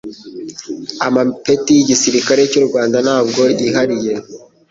amapeti y'igisirikare cy'u Rwanda ntabwo yihariye